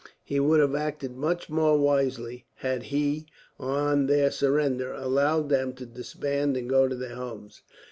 He would have acted much more wisely had he, on their surrender, allowed them to disband and go to their homes..